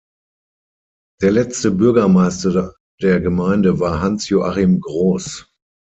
Der letzte Bürgermeister der Gemeinde war Hans-Joachim Groß.